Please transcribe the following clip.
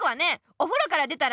お風呂から出たらね